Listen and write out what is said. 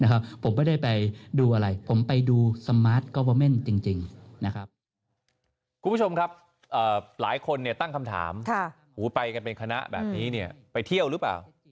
คุณผู้ชมครับหลายคนเนี่ยตั้งคำถามไปกันเป็นคณะแบบนี้เนี่ยไปเที่ยวหรือเปล่า